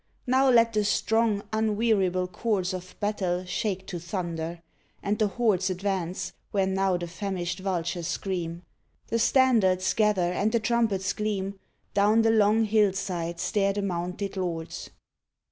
Now let the strong, unweariable chords Of battle shake to thunder, and the hordes Advance, where now the famished vultures scream. The standards gather and the trumpets gleam; Down the long hill side stare the mounted lords.